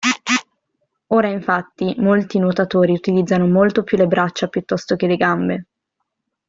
Ora, infatti, molti nuotatori utilizzano molto più le braccia piuttosto che le gambe.